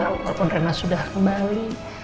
walaupun reina sudah kembali